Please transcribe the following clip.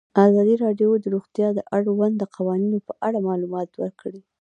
ازادي راډیو د روغتیا د اړونده قوانینو په اړه معلومات ورکړي.